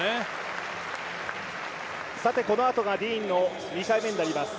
このあとがディーンの２回目になります。